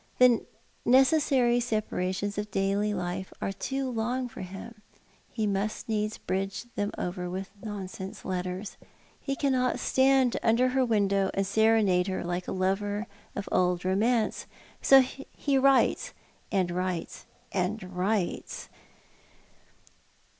The necessary separations of daily life are too long for him. He must needs bridge them over with nonsense letters. He cannot stand under her window and serenade her, like a lover of old romance; so he writes, and writes, and writes.